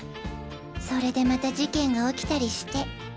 それでまた事件が起きたりして。